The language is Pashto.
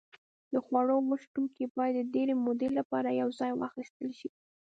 د خوړو وچ توکي باید د ډېرې مودې لپاره یوځای واخیستل شي.